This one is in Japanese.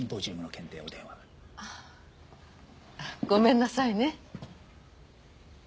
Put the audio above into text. ごめんなさいね。